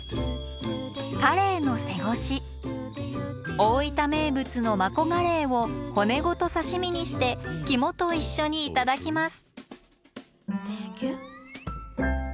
大分名物のマコガレイを骨ごと刺身にして肝と一緒に頂きます。